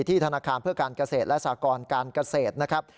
ธนาคารเพื่อการเกษตรและสากรการเกษตรนะครับ